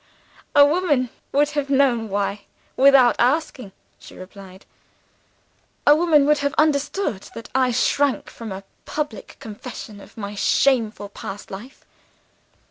"'A woman would have known why, without asking,' she replied. 'A woman would have understood that I shrank from a public confession of my shameful past life.